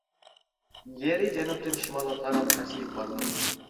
يېرى جەنۇبتىن شىمالغا قاراپ پەسىيىپ بارىدۇ.